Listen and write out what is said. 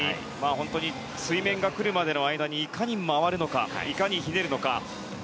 本当に水面が来るまでの間にいかに回るか、いかにひねるか。